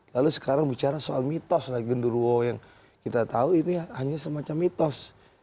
lalu sekarang bicara soal mitos lah gundruwo yang kita tahu itu ya hanya semacam mitos